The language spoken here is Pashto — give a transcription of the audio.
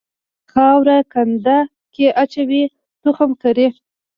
خاوره کنده کې اچوي تخم کري.